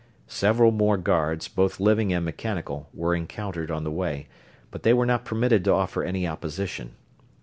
Several more guards, both living and mechanical, were encountered on the way, but they were not permitted to offer any opposition.